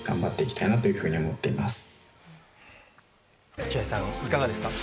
落合さん、いかがですか？